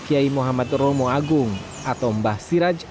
kiai muhammad romo agung atau mbah siraj